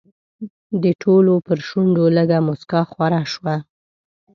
د ټولو پر شونډو لږه موسکا خوره شوه.